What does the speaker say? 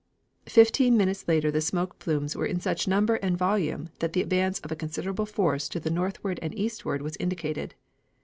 Fifteen minutes later the smoke plumes were in such number and volume that the advance of a considerable force to the northward and eastward was indicated.